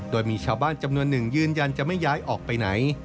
โดยมีชาวบ้านจำนวนหนึ่งยืนยันจะไม่ย้ายออกไปไหน